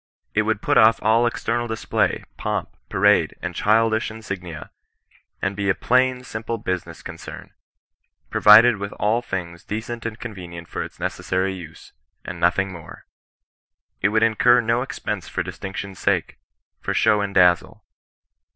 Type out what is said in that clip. It would put off all external display, pomp, parade, and childish insignia, and be a plain simple business con cerny provided with all things decent and convenient for its necessary use, and nothing more. It would incur no expense for distinction's saie — for show and dazzle.